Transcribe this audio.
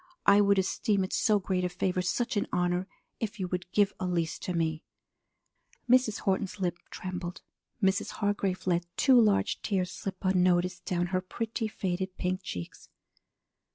I would esteem it so great a favor, such an honor, if you would give Elise to me.'" Mrs. Horton's lip trembled. Mrs. Hargrave let two large tears slip unnoticed down her pretty, faded pink cheeks.